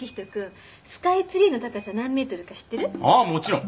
ああもちろん！